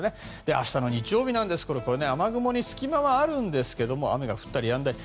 明日の日曜日なんですが雨雲に隙間はあるんですが雨が降ったりやんだり。